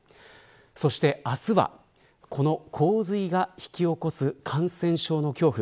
そして明日はこの洪水が引き起こす感染症の恐怖。